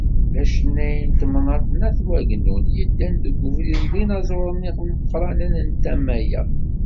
D acennay n temnaḍt n At Wagennun, yeddan deg ubrid n yinaẓuren imeqranen n tama-a.